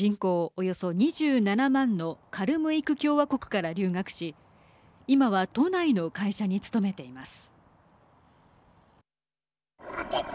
およそ２７万のカルムイク共和国から留学し今は都内の会社に勤めています。